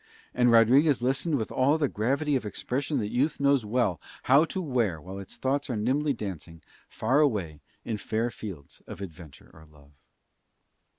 And Rodriguez listened with all the gravity of expression that youth knows well how to wear while its thoughts are nimbly dancing far away in fair fields of adventure or love.